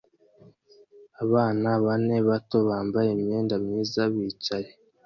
Abana bane bato bambaye imyenda myiza bicaye